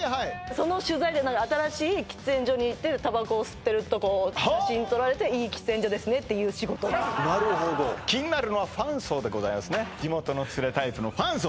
その取材で新しい喫煙所に行ってタバコを吸ってるとこを写真撮られていい喫煙所ですねっていう仕事なるほど気になるのはファン層でございますね地元のツレタイプのファン層